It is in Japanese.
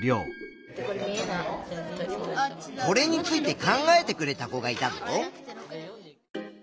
これについて考えてくれた子がいたぞ。